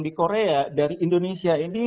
di korea dari indonesia ini